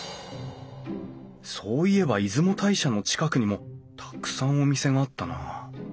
そういえば出雲大社の近くにもたくさんお店があったなあ